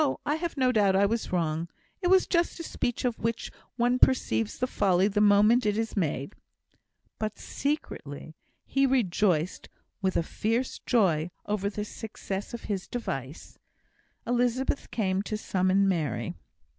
I have no doubt I was wrong. It was just a speech of which one perceives the folly the moment it is made." But, secretly, he rejoiced with a fierce joy over the success of his device. Elizabeth came to summon Mary.